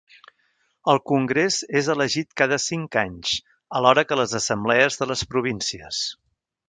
El congrés és elegit cada cinc anys alhora que les Assemblees de les províncies.